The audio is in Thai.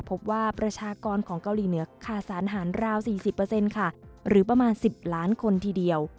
พบว่าประชากรของเกาหลีเหนือขาดสารอาหารราวสี่สิบเปอร์เซ็นต์ค่ะหรือประมาณสิบล้านคนทีเดียว